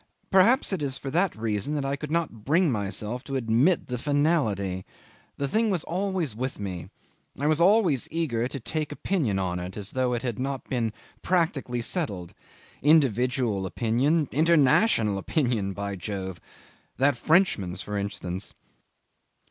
Perhaps it is for that reason that I could not bring myself to admit the finality. The thing was always with me, I was always eager to take opinion on it, as though it had not been practically settled: individual opinion international opinion by Jove! That Frenchman's, for instance.